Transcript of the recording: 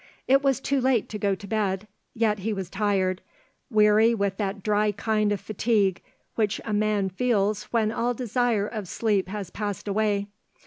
It was too late to go to bed; yet he was tired, weary with that dry kind of fatigue which a man feels when all desire of sleep has passed away.